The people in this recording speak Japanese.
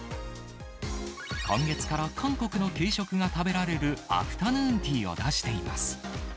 今月から韓国の軽食が食べられるアフタヌーンティーを出しています。